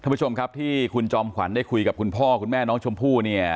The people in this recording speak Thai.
ผู้ชมครับที่คุณจอมขวัญได้คุยกับคุณพ่อคุณแม่น้องชมพู่เนี่ย